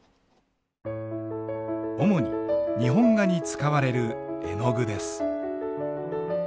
主に日本画に使われる絵の具です。